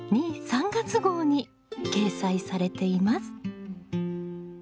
・３月号に掲載されています。